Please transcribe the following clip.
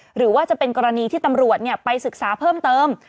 หรือว่าจะเป็นกรณีที่ตำรวจไปศึกษาเพิ่มเติม